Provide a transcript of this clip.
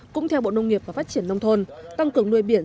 cũng theo bộ nông nghiệp và phát triển nông thôn tăng cường nuôi biển